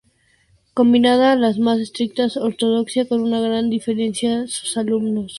Combinaba la más estricta ortodoxia con una gran deferencia a sus alumnos.